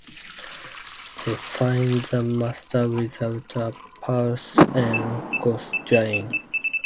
They find the Master without a pulse and Goth dying.